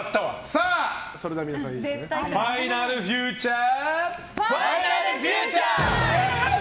では、皆さんファイナルフューチャー！